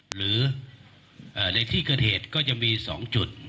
หรือในที่เกิดเหตุก็จะมี๒จุด